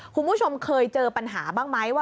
คุณผู้ชมเคยเจอปัญหาบ้างไหมว่า